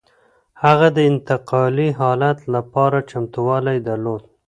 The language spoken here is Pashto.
هغه د انتقالي حالت لپاره چمتووالی درلود.